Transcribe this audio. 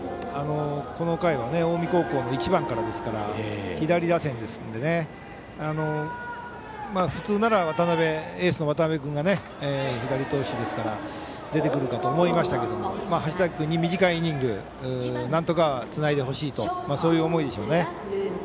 この回は近江高校１番からですから左打線なので普通ならエースの渡辺君が左投手ですから出てくると思いますが短いイニングなんとかつないでほしいとそういう思いでしょうね。